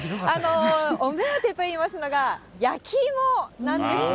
お目当てといいますのが、焼き芋なんですね。